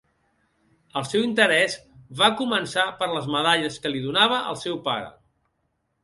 El seu interès va començar per les medalles que li donava el seu pare.